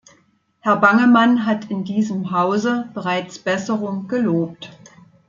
Herr Bangemann hat in diesem Hause bereits Besserung gelobt.